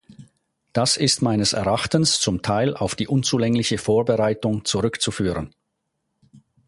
Das ist meines Erachtens zum Teil auf die unzulängliche Vorbereitung zurückzuführen.